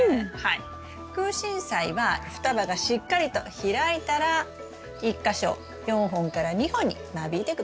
クウシンサイは双葉がしっかりと開いたら１か所４本から２本に間引いて下さい。